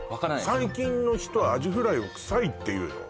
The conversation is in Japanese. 最近の人はアジフライを臭いって言うの？